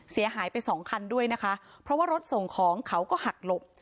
เสียหายไปสองคันด้วยนะคะเพราะว่ารถส่งของเขาก็หักหลบ